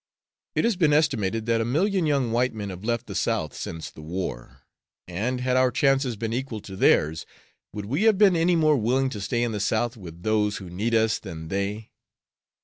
It has been estimated that a million young white men have left the South since the war, and, had our chances been equal to theirs, would we have been any more willing to stay in the South with those who need us than they?